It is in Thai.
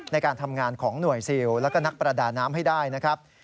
ในการทำงานของหน่วยซิลแล้วก็นักประดาน้ำให้ได้นะครับ